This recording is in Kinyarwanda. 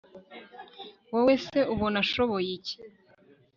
wowe se ubona ashoboye iki